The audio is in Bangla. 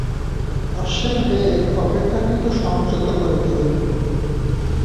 অশ্বের বেগ অপেক্ষাকৃত সংযত করিতে হইল।